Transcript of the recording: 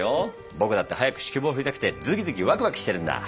僕だって早く指揮棒振りたくてズキズキワクワクしてるんだ。